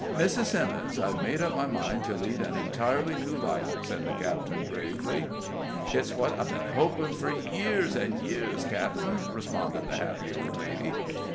"Mrs. Simmons, I've made up my mind to lead an entirely new life," said the captain, gravely. "It's what I've been hopin' fur years an' years, cap'en," responded the happy old lady.